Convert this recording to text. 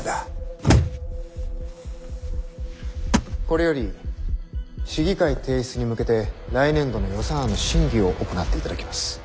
これより市議会提出に向けて来年度の予算案の審議を行っていただきます。